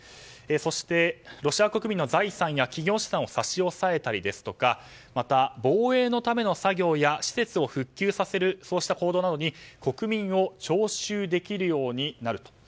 そして、ロシア国民の財産や企業資産を差し押さえたりですとかまた、防衛のための作業や施設を復旧させる行動などに国民を徴集できるようになると。